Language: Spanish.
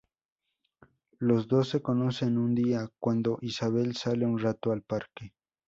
Los dos se conocen un día cuando Isabel sale un rato al parque.